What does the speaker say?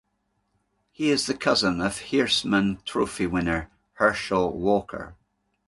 He is the cousin of Heisman Trophy winner Herschel Walker.